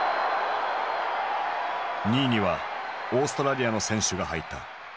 ２位にはオーストラリアの選手が入った。